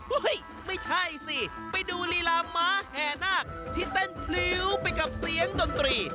ไม่ใช่สิไปดูลีลาม้าแห่นาคที่เต้นพลิ้วไปกับเสียงดนตรี